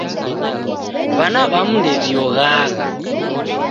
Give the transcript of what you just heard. W'ana w'amu ndew'ioghagha